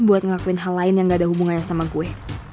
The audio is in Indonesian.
buat ngelakuin hal lain yang gak ada hubungannya sama kue